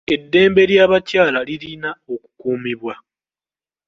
Eddembe ly'abakyala lirina okukuumibwa.